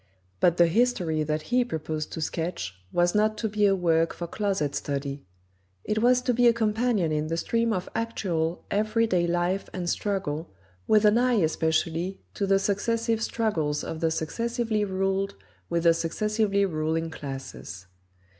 But the history that he proposed to sketch was not to be a work for closet study. It was to be a companion in the stream of actual, every day life and struggle, with an eye especially to the successive struggles of the successively ruled with the successively ruling classes.